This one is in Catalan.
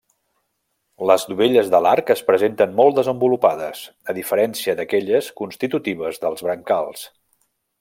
Les dovelles de l'arc es presenten molt desenvolupades, a diferència d'aquelles constitutives dels brancals.